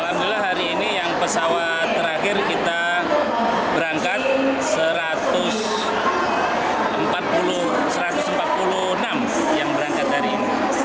alhamdulillah hari ini yang pesawat terakhir kita berangkat satu ratus empat puluh enam yang berangkat hari ini